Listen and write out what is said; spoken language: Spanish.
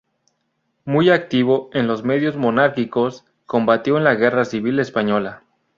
Muy activo en los medios monárquicos, combatió en la Guerra Civil española.